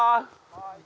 はい。